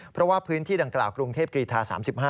เพราะว่าพื้นที่ดังกล่าวกรุงเทพกรีธา๓๕